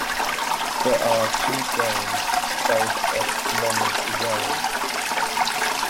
There are two domes south of Mons Esam.